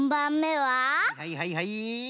はいはいはいはい！